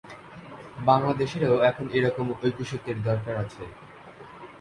বাংলাদেশেরও এখন এ রকম ঐক্যসূত্রের দরকার আছে।